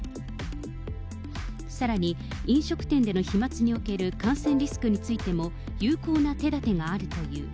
さらに飲食店での飛まつにおける感染リスクについても、有効な手立てがあるという。